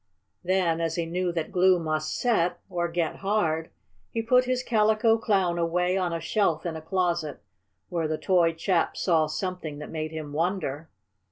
Then, as he knew that glue must set, or get hard, he put his Calico Clown away on a shelf in a closet, where the toy chap saw something that made him wonder.